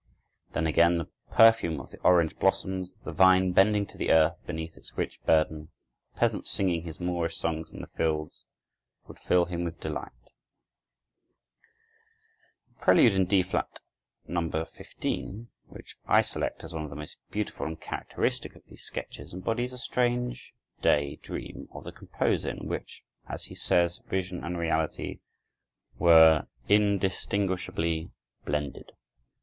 Then again, the perfume of the orange blossoms, the vine bending to the earth beneath its rich burden, the peasant singing his Moorish songs in the fields, would fill him with delight." The Prelude in D flat, No. 15, which I select as one of the most beautiful and characteristic of these sketches, embodies a strange day dream of the composer in which, as he says, "vision and reality were indistinguishably blended."